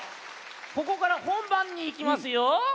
ここからほんばんにいきますよ。